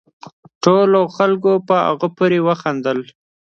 ټولو خلقو په هغه پورې وخاندل